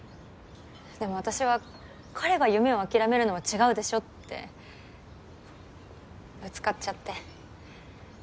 でもあたしは彼が夢を諦めるのは違うでしょってぶつかっちゃって。